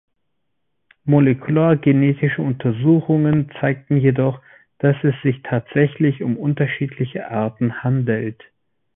Molekulargenetische Untersuchungen zeigten jedoch, dass es sich tatsächlich um unterschiedliche Arten handelt.